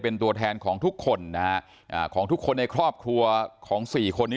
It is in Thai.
เป็นตัวแทนของทุกคนนะฮะของทุกคนในครอบครัวของสี่คนนี้